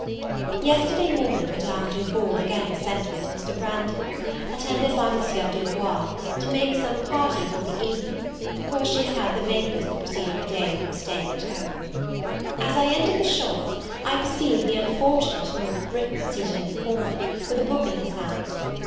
YESTERDAY morning Madame Duval again sent me to Mr. Branghton's, attended by M. Du Bois, to make some party for the evening, because she had had the vapours the preceding day from staying at home. As I entered the shop, I perceived the unfortunate North Briton seated in a corner, with a book in his hand.